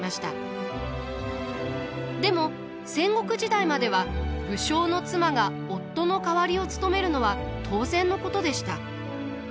でも戦国時代までは武将の妻が夫の代わりを務めるのは当然のことでした。